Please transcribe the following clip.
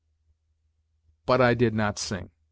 But I did not sing.